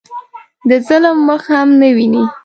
د ظالم مخ هم نه ویني.